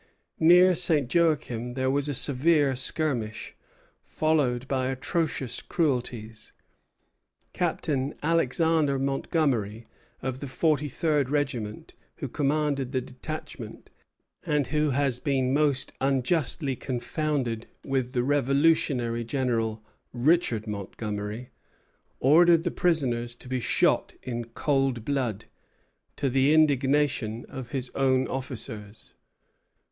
Near St. Joachim there was a severe skirmish, followed by atrocious cruelties. Captain Alexander Montgomery, of the forty third regiment, who commanded the detachment, and who has been most unjustly confounded with the revolutionary general, Richard Montgomery, ordered the prisoners to be shot in cold blood, to the indignation of his own officers.